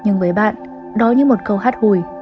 nhưng với bạn đó như một câu hát hùi